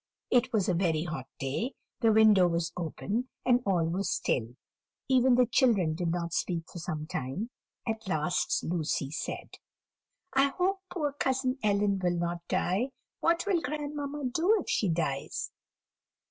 It was a very hot day, the window was open, and all was still even the children did not speak for some time; at last Lucy said: "I hope poor cousin Ellen will not die. What will grandmamma do if she dies?"